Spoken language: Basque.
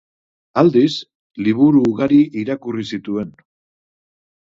Aldiz, liburu ugari irakurri zituen.